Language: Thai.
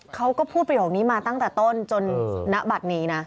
เขาก็พูดประโยคนี้มาตั้งแต่ต้นจนณบัตรนี้นะ